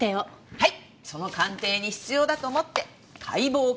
はい。